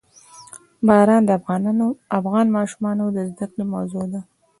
باران د افغان ماشومانو د زده کړې موضوع ده.